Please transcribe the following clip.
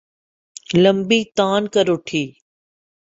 لمبی تان کر اُٹھی